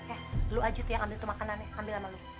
eh lo aja tuh yang ambil tuh makanan ya ambil sama lo